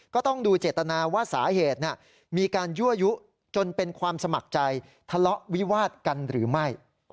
ก็ต้องดูเจตนาว่าสาเหตุมีการยั่วยุจนเป็นความสมัครใจทะเลาะวิวาดกันหรือไม่